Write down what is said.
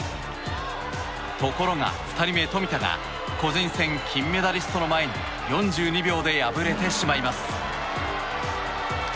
ところが２人目、冨田が個人戦金メダリストの前に４２秒で敗れてしまいます。